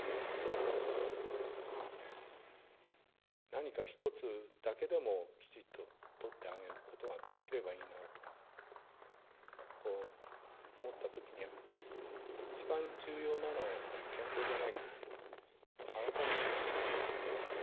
何か１つだけでもきちっと取ってあげることができればいいなと思った時には一番重要なのはやっぱり健康じゃないかなと改めて思って。